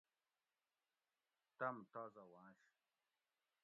تۤم تازہ ونش